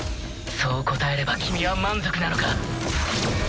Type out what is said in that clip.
そう答えれば君は満足なのか？